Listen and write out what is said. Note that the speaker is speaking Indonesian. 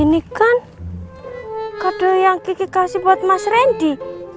ini kan kode yang kiki kasih buat mas rendy